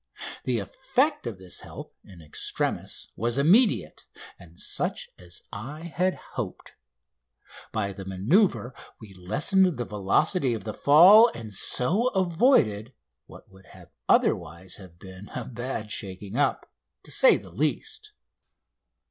The effect of this help in extremis was immediate, and such as I had hoped. By the manoeuvre we lessened the velocity of the fall, and so avoided what would have otherwise have been a bad shaking up, to say the least.